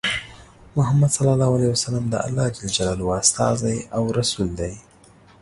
محمد ص د الله ج استازی او رسول دی.